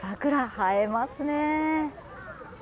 映えますね。